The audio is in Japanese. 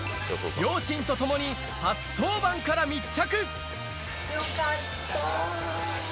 両親と共に初登板から密着。